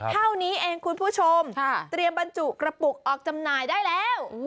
เท่านี้เองคุณผู้ชมเตรียมบรรจุกระปุกออกจำหน่ายได้แล้ว